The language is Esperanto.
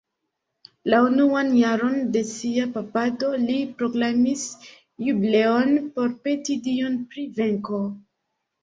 La unuan jaron de sia papado, li proklamis jubileon por peti Dion pri venko.